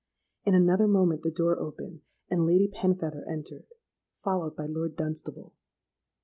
In another moment the door opened, and Lady Penfeather entered, followed by Lord Dunstable.